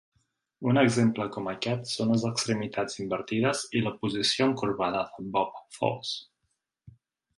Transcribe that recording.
Un exemple com aquest són les extremitats invertides i la posició encorbada de Bob Fosse.